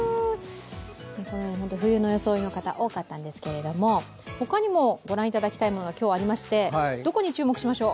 冬の装いの方が多かったんですけれども、ほかにも御覧いただきたいものが今日ありまして、どこに注目しましょう？